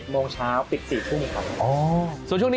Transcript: ๑๐โมงเช้า๑๔๐๐น